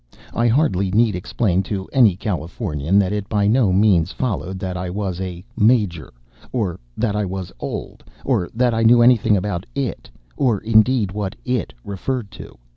I hardly need explain to any Californian that it by no means followed that I was a "Major," or that I was "old," or that I knew anything about "it," or indeed what "it" referred to.